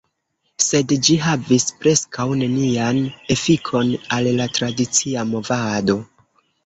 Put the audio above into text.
Sed ĝi havis preskaŭ nenian efikon al la tradicia movado.